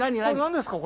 何ですか？